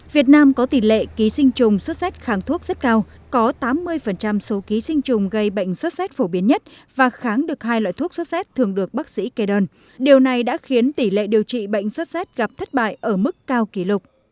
việt nam có tỷ lệ ký sinh trùng sốt xét kháng thuốc rất cao có tám mươi số ký sinh trùng gây bệnh sốt xét phổ biến nhất và kháng được hai loại thuốc sốt xét thường được bác sĩ kê đơn điều này đã khiến tỷ lệ điều trị bệnh sốt xét gặp thất bại ở mức cao kỷ lục